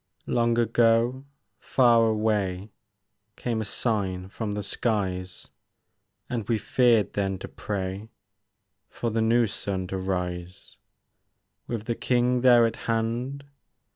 Long ago, far away. Came a sign from the skies ; And we feared then to pray For the new sun to rise : With the King there at hand.